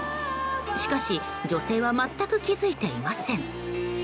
しかし、女性は全く気付いていません。